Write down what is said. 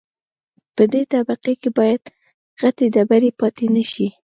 په دې طبقه کې باید غټې ډبرې پاتې نشي